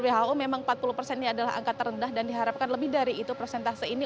who memang empat puluh persen ini adalah angka terendah dan diharapkan lebih dari itu prosentase ini